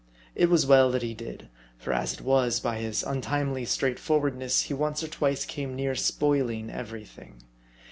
It was well that he did ; for as it was, by his untimely straight forwardness, he once or twice came near spoiling every thing.